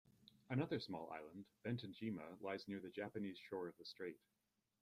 Another small island, Bentenjima, lies near the Japanese shore of the strait.